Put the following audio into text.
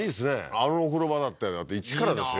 あのお風呂場だってだって一からですよ